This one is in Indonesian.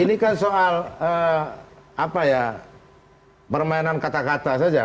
ini kan soal permainan kata kata saja